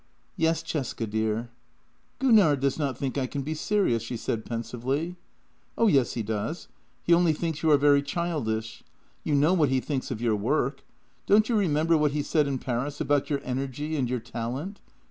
"" Yes, Cesca dear." " Gunnar does not think I can be serious," she said pen sively. " Oh yes, he does; he only thinks you are very childish. You know what he thinks of your work. Don't you remember what he said in Paris about your energy and your talent?